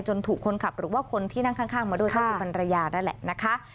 ถูกคนขับหรือว่าคนที่นั่งข้างมาด้วยก็คือภรรยานั่นแหละนะคะ